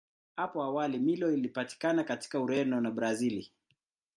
Hapo awali Milo ilipatikana katika Ureno na Brazili.